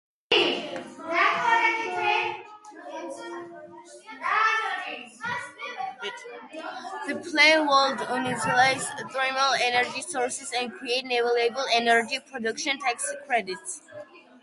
The plan would utilize thermal energy sources and create renewable energy production tax credits.